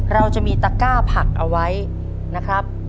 เราจะมีตะก้าผักเอาไว้นะครับ